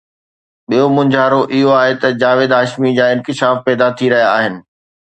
ٻيو مونجهارو اهو آهي ته جاويد هاشمي جا انڪشاف پيدا ٿي رهيا آهن.